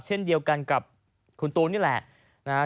เช่นเดียวกันกับคุณตูนนี่แหละนะฮะ